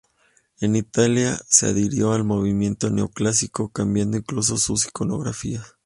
En Italia se adhirió al movimiento neoclásico, cambiando incluso sus iconografías.